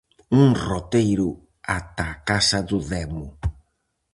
Un roteiro ata a casa do demo.